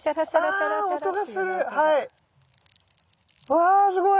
わすごい。